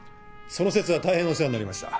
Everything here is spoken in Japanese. その節は大変お世話になりました。